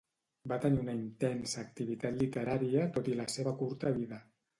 Va tenir una intensa activitat literària tot i la seva curta vida.